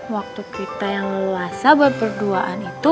waktu kita yang luasa buat berduaan itu